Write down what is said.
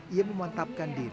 ia memantapkan diri